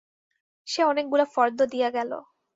সে অনেকগুলা ফর্দ দিয়া গেল।